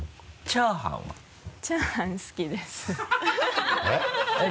チャーハン好きです